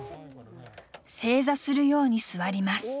正座するように座ります。